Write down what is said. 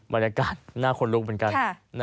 บรรยากาศหน้าคนลุกเหมือนกัน